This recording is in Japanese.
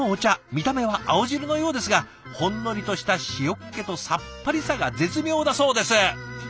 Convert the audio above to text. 見た目は青汁のようですがほんのりとした塩っ気とさっぱりさが絶妙だそうです！